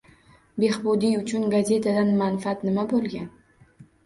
Behbudiy uchun gazetadan manfaat nima bo‘lgan?